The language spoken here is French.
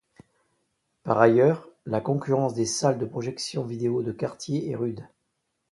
Par ailleurs, la concurrence des salles de projection vidéo de quartier est rude.